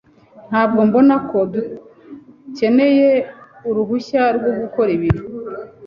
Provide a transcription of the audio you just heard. Ntabwo mbona ko dukeneye uruhushya rwo gukora ibi .